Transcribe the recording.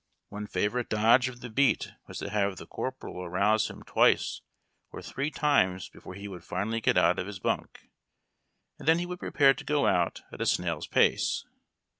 One favorite dodge of the beat was to have the corporal arouse him twice or three times before he would finally get out of his bunk ; and then he would prepare to go out at a snail's pace.